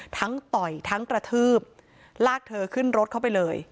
ต่อยทั้งกระทืบลากเธอขึ้นรถเข้าไปเลย